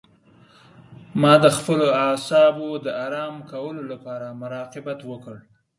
ما د خپلو اعصابو د آرام کولو لپاره مراقبت وکړ.